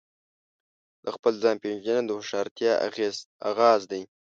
د خپل ځان پیژندنه د هوښیارتیا آغاز دی.